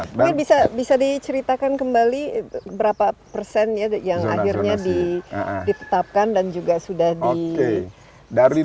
tapi bisa diceritakan kembali berapa persen ya yang akhirnya di tetapkan dan juga sudah disetujui